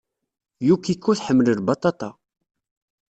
Yukiko tḥemmel lbaṭaṭa.